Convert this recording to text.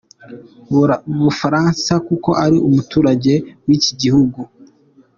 Bufaransa kuko ari umuturage wiki gihugu.